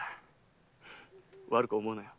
悪く思うなよ。